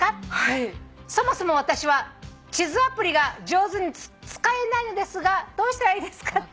「そもそも私は地図アプリが上手に使えないのですがどうしたらいいですか？」